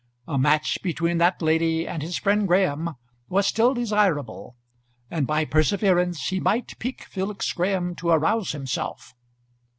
A match between that lady and his friend Graham was still desirable, and by perseverance he might pique Felix Graham to arouse himself.